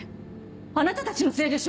あなたたちのせいでしょ！